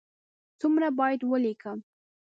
څومره باید ولیکم؟